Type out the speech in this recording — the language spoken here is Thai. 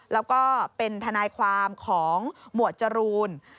แล้วก็เป็นทนายความของหมวดจรูน